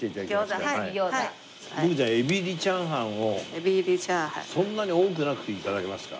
僕じゃあエビ入り炒飯をそんなに多くなく頂けますか。